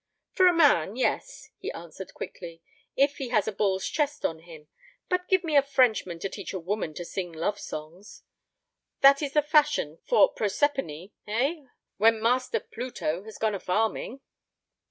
"For a man, yes," he answered, quickly, "if he has a bull's chest on him. But give me a Frenchman to teach a woman to sing love songs. That is the fashion for Proserpine, eh, when Master Pluto has gone a farming?"